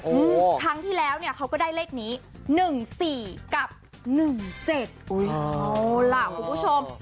ครั้งที่แล้วเนี่ยเขาก็ได้เลขนี้หนึ่งสี่กับหนึ่งเจ็ดอุ้ยเอาล่ะคุณผู้ชม